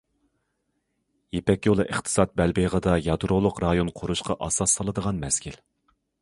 يىپەك يولى ئىقتىساد بەلبېغىدا يادرولۇق رايون قۇرۇشقا ئاساس سالىدىغان مەزگىل.